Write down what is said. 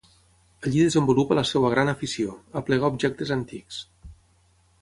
Allí desenvolupa la seva gran afició: aplegar objectes antics.